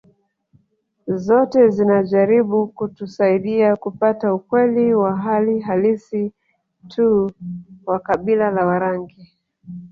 Zote zinajaribu kutusaidia kupata ukweli wa hali halisi tu wa kabila la Warangi